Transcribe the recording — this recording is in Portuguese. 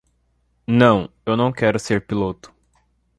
Não, eu não quero ser piloto.